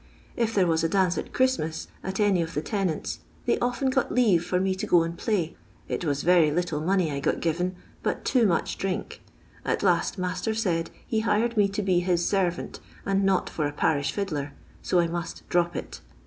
If there was a dance at Christmas at any of the tenants*, they often got leave for me to go and pUy. It was very little money I got given, but too much drink. At bst master said, he hired me to be his servant and not for a parish fiddler, so I must drop it.